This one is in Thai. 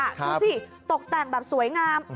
ดูสิตกแต่งแบบสวยงาม